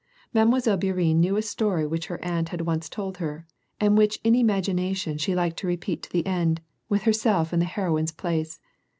Mile. Bourienne knew a story which her aunt had once told her, and which in imagination she liked to repeat to the end, with herself in the heroine's place.